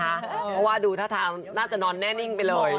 เพราะว่าดูท่าทางน่าจะนอนแน่นิ่งไปเลย